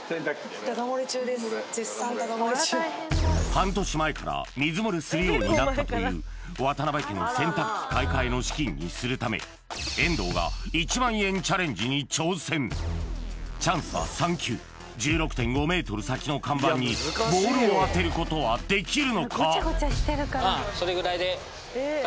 半年前から水漏れするようになったという渡邉家の洗濯機買いかえの資金にするため遠藤が１万円チャレンジに挑戦１６．５ｍ先の看板にボールを当てることはできるのか？